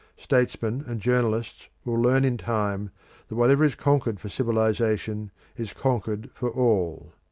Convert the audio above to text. Statesmen and journalists will learn in time that whatever is conquered for civilisation is conquered for all.